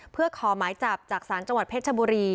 เพื่อขอหมายจับจากศาลจังหวัดเพชรชบุรี